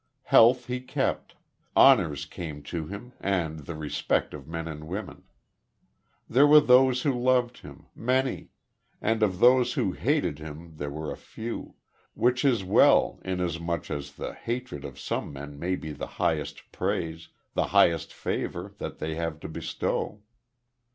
Health he kept; honors came to him, and the respect of men and of women. There were those who loved him, many; and of those who hated him there were a few; which is well, inasmuch as the hatred of some men may be the highest praise the highest favor that they have to bestow.